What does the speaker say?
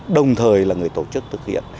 đồng thời là người tổ chức thực hiện